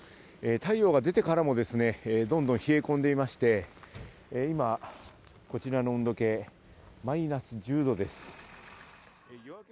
太陽が出てからもどんどん冷え込んでいて今、こちらの温度計マイナス１０度です。